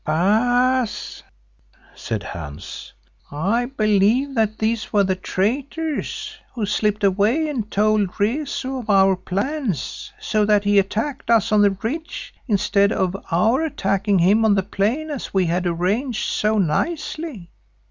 "Baas," said Hans, "I believe that these were the traitors who slipped away and told Rezu of our plans so that he attacked us on the ridge, instead of our attacking him on the plain as we had arranged so nicely.